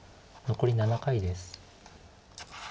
残り７回です。